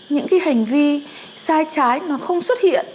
những cái hành vi sai trái nó không xuất hiện